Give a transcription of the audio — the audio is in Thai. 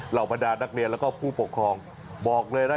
บรรดานักเรียนแล้วก็ผู้ปกครองบอกเลยนะ